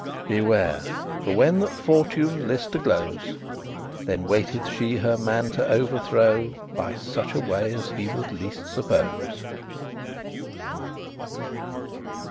Beware, for when that Fortune list to glose Then waiteth she her man to overthrow, By such a way as he would least suppose.